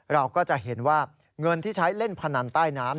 เราก็จะเห็นว่าเงินที่ใช้เล่นพนันใต้น้ำ